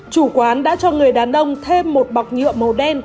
chủ quán đã cho người đàn ông thêm một bọc nhựa màu đen để chứa chiếc can xăng